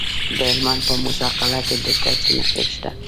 د هلمند په موسی قلعه کې د ګچ نښې شته.